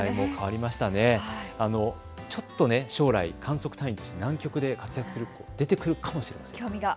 将来、観測隊員として南極で活躍する子が出てくるかもしれません。